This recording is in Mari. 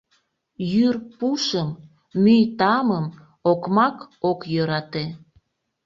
Йӱр пушым, мӱй тамым окмак ок йӧрате.